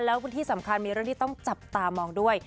แล้วก็ที่สำคัญมีเรื่องที่ต้องจับตามองด้วย